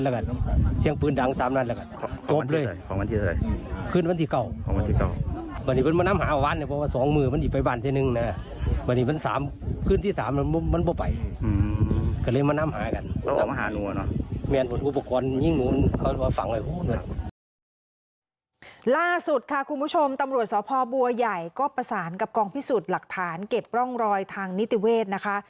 ล่าสุดค่ะคุณผู้ชมตำรวจสพบัวใหญ่ก็ประสานกับกองพิสูจน์หลักฐานเก็บร่องรอยทางนิติเวศนะคะ